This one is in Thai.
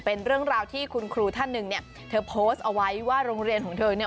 เป็นเรื่องราวที่คุณครูท่านหนึ่งเนี่ยเธอโพสต์เอาไว้ว่าโรงเรียนของเธอเนี่ย